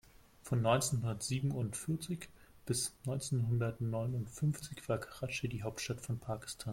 Von neunzehnhundertsiebenundvierzig bis neunzehnhundertneunundfünfzig war Karatschi die Hauptstadt von Pakistan.